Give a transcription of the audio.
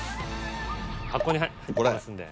箱に入ってますんで。